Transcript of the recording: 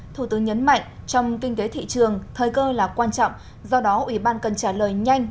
thủ tướng nhấn mạnh trong kinh tế thị trường thời cơ là quan trọng do đó ủy ban cần trả lời nhanh